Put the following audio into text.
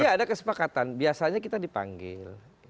iya ada kesepakatan biasanya kita dipanggil